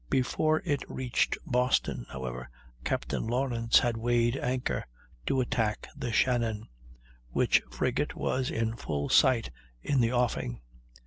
Before it reached Boston, however, Captain Lawrence had weighed anchor, to attack the Shannon, which frigate was in full sight in the offing.